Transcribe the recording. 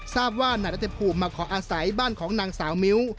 ทราบว่านายรัฐภูมิมาขออาศัยบ้านของนางสาวมิ้ว